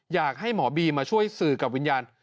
อยากให้หมอบีรับทูตสื่อวิญญาณมาช่วยสื่อกับวิญญาณ